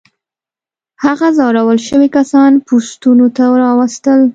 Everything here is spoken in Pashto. هغه ځورول شوي کسان پوستونو ته راوستل.